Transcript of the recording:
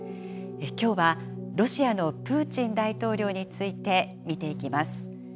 きょうはロシアのプーチン大統領について見ていきます。